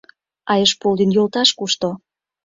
— А Эшполдин йолташ кушто?